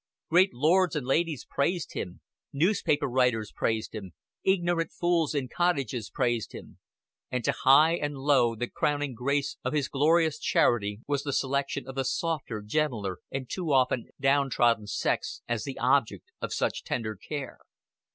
Great lords and ladies praised him, newspaper writers praised him, ignorant fools in cottages praised him; and to high and low the crowning grace of his glorious charity was the selection of the softer, gentler, and too often downtrodden sex as the object of such tender care.